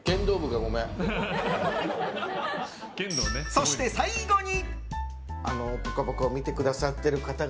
そして、最後に。